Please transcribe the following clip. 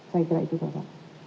saya kira itu saja